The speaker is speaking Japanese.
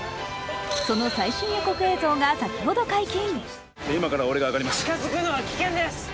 その最新予告映像が先ほど解禁。